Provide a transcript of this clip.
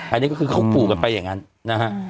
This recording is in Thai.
อันนี้ก็คือเขาขู่กันไปอย่างนั้นนะฮะ